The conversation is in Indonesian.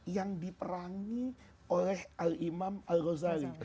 yang diperangi oleh al imam al ghazali